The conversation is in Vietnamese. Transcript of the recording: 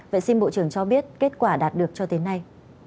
vậy xin bộ trưởng cho biết kết quả đạt được cho tới nay